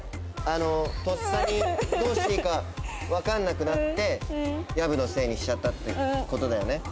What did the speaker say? とっさにどうしていいか分かんなくなって薮のせいにしちゃったってことだよね。